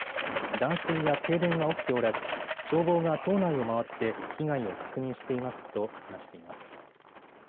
断水や停電は起きておらず、消防が島内を回って被害を確認していますと話しています。